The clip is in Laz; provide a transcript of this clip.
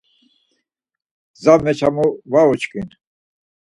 Gza meçamu var uçkin.